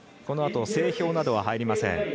このあと整氷などは入りません。